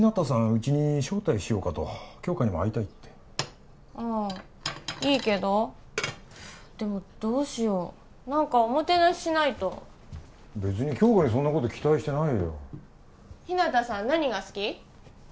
うちに招待しようかと杏花にも会いたいってああいいけどでもどうしよ何かおもてなししないと別に杏花にそんなこと期待してないよ日向さん何が好き？